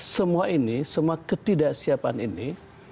semua ini semua ketidaksiapan ini